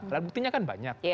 alat buktinya kan banyak